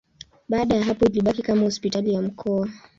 Baada ya hapo ilibaki kama hospitali ya mkoa.